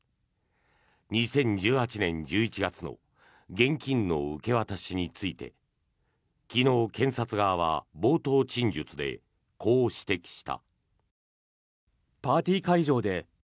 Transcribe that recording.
２０１８年１１月の現金の受け渡しについて昨日、検察側は冒頭陳述でこう指摘した。